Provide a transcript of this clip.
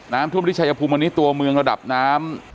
น้ำท่วมที่ชายภูมิวันนี้ตัวเมืองระดับน้ำ